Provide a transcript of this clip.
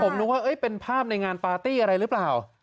ผมนึกว่าเป็นภาพในงานปาร์ตี้อะไรหรือเปล่า